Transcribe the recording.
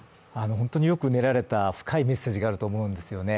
本当によく練られた深いメッセージがあると思うんですよね。